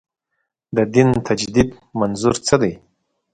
د دین تجدید منظور څه دی.